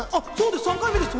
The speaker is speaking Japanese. ３回目です。